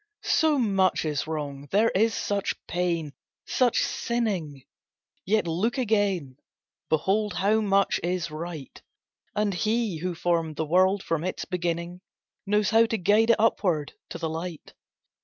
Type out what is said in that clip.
"So much is wrong, there is such pain—such sinning." Yet look again—behold how much is right! And He who formed the world from its beginning Knows how to guide it upward to the light.